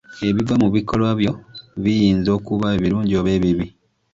Ebiva mu bikolwa byo biyinza okuba ebirungi oba ebibi.